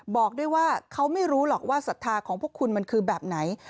บอกด้วยว่าเขาไม่รู้หรอกว่าศรัทธาของพวกคุณมันคือแบบไหน